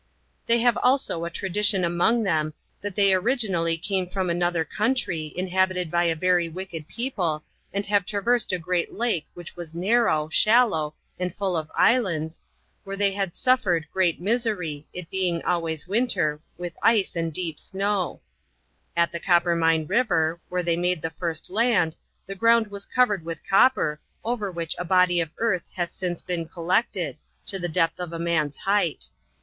They have also a tradition among them, that they origin ally came from another country, inhabited by a very wicked people, and have traversed a great lake which was narrow, shallow, and full of islands, where they had suffered great LEWIS AND CLARKE. 119 misery, it being always winter, with ice and deep snow, At the Copper mine river, where they made the first land, the ground was covered with copper, over which a body of earth has since been collected, to the depth of a man's height.